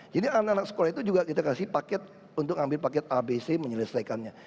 jadi anak anak sekolah itu juga kita kasih paket untuk ambil paket abc menyelesaikannya